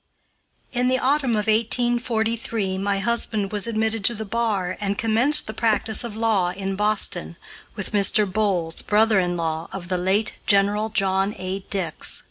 In the autumn of 1843 my husband was admitted to the bar and commenced the practice of law in Boston with Mr. Bowles, brother in law of the late General John A. Dix.